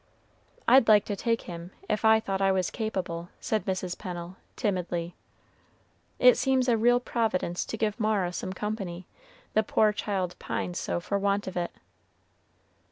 "I'd like to take him, if I thought I was capable," said Mrs. Pennel, timidly. "It seems a real providence to give Mara some company; the poor child pines so for want of it."